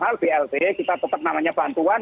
hal blt kita tetap namanya bantuan